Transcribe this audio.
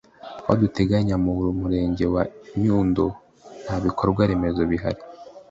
Aho duteganya mu murenge wa Nyundo nta bikorwa remezo bihari